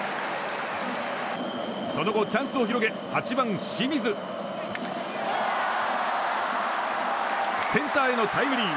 その後、チャンスを広げ８番、清水。センターへのタイムリー。